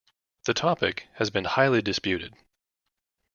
The topic has been highly disputed.